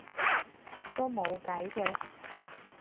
都冇計嘅